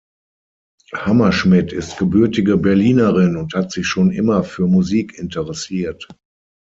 Hammerschmidt ist gebürtige Berlinerin und hat sich schon immer für Musik interessiert.